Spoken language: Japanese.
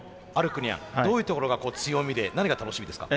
どういうところが強みで何が楽しみですか？